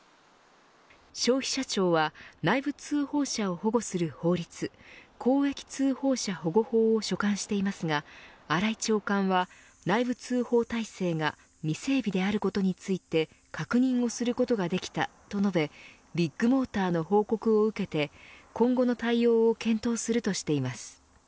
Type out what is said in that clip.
消費者庁は内部通報者を保護する法律公益通報者保護法を所管していますが新井長官は内部通報体制が未整備であることについて確認をすることができたと述べビッグモーターの報告を受けて今後の対応を検討するとしています。